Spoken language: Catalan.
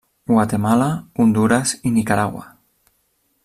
Guatemala, Hondures i Nicaragua.